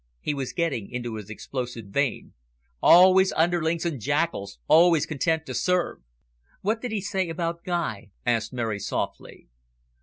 He was getting into his explosive vein. "Always underlings and jackals always content to serve." "What did he say about Guy?" asked Mary softly.